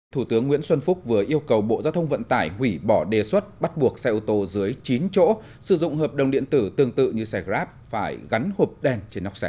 thủ tướng nguyễn xuân phúc vừa yêu cầu bộ giao thông vận tải hủy bỏ đề xuất bắt buộc xe ô tô dưới chín chỗ sử dụng hợp đồng điện tử tương tự như xe grab phải gắn hộp đèn trên nóc xe